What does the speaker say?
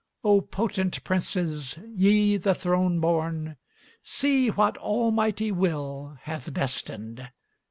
O potent princes, ye the throne born! See what Almighty will hath destined.